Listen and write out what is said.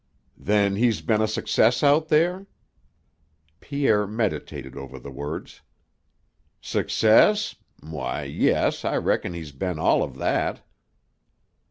"Then he's been a success out there?" Pierre meditated over the words. "Success? Why, yes, I reckon he's been all of that."